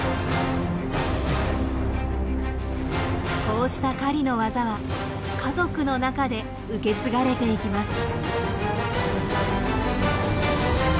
こうした狩りの技は家族の中で受け継がれていきます。